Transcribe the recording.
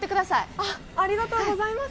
ありがとうございます。